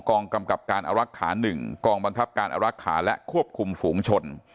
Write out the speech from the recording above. กองกำกับการอรักษา๑กองบังคับการอรักษาและควบคุมฝูงชน